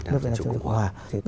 nước việt nam trong chủ tịch hòa